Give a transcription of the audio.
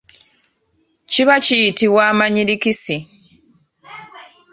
Kiba kiyitibwa amanyirikisi.